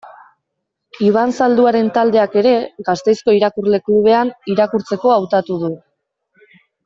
Iban Zalduaren taldeak ere, Gasteizko Irakurle Klubean, irakurtzeko hautatu du.